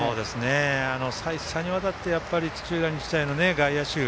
再三にわたって土浦日大の外野手。